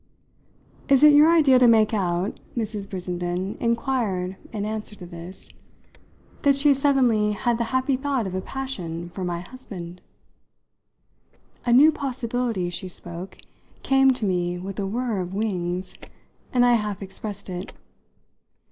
"Is it your idea to make out," Mrs. Brissenden inquired in answer to this, "that she has suddenly had the happy thought of a passion for my husband?" A new possibility, as she spoke, came to me with a whirr of wings, and I half expressed it.